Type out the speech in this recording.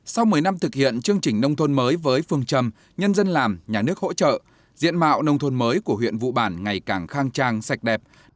sau một mươi năm thực hiện chương trình nông thôn mới với phương trầm nhân dân làm nhà nước hỗ trợ diện mạo nông thôn mới của huyện vụ bản ngày càng khang trang sạch đẹp